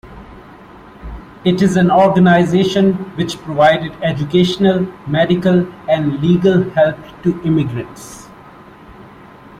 It is an organization which provided educational, medical and legal help to immigrants.